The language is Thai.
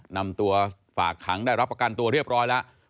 นำตัวฝากขังได้รับประกันตัวเรียบร้อยแล้ว